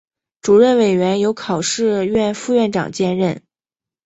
主任委员由考试院副院长兼任。